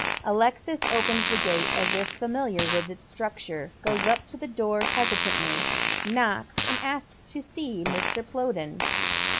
Alexis opens the gate as if familiar with its structure, goes up to the door hesitatingly, knocks, and asks to see Mr, Plowden.